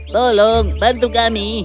tolong bantu kami